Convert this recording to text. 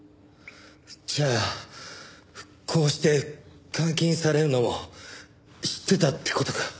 じゃあこうして監禁されるのも知ってたって事か？